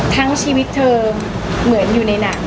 ทั้งชีวิตเธอเหมือนอยู่ในหนัง